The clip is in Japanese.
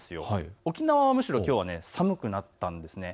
沖縄はむしろきょう寒くなったんです。